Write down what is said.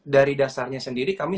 dari dasarnya sendiri kami